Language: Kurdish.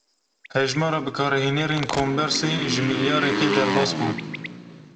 Hejmara bikarhênerên kombersê, ji milyareke derbas bû